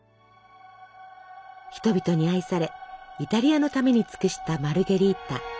人々に愛されイタリアのために尽くしたマルゲリータ。